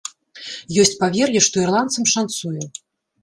Ёсць павер'е, што ірландцам шанцуе.